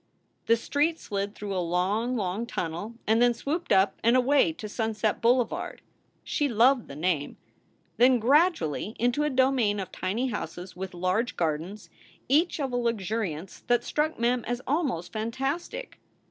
The street slid through a long, long tunnel and then swooped up and away to Sunset Boulevard (she loved the name) , then gradually into a domain of tiny houses with large gardens, each of a luxuriance that struck Mem as almost fantastic.